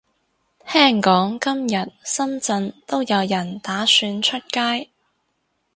聽講今日深圳都有人打算出街